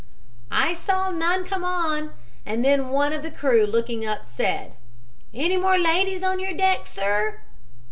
"I saw none come on, and then one of the crew, looking up, said: "'Any more ladies on your deck, sir?'